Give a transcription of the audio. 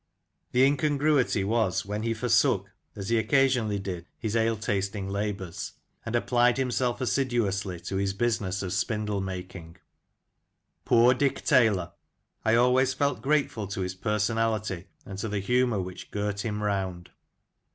The incongruity was when he forsook, as he occasionally did, his ale tasting labours, and applied himself assiduously to his business of spindle making. Poor Dick Taylor ! I always felt grateful to his person ality, and to the humour which girt him round.